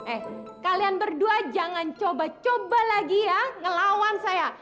eh kalian berdua jangan coba coba lagi ya ngelawan saya